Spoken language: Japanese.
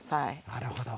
なるほど。